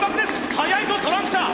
速いぞトランチャー！